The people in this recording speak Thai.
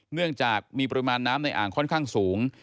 เนื่องจากมีปริมาณน้ำในอ่างค่อนข้างสูง